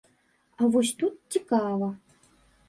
А вось тут цікава.